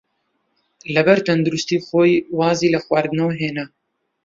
لەبەر تەندروستیی خۆی وازی لە خواردنەوە هێنا.